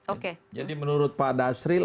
oke jadi menurut pak dasril